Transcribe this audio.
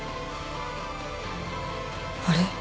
あれ？